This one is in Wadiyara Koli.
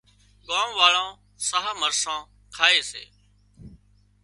ڳام واۯان ساهََه مرسان کائي سي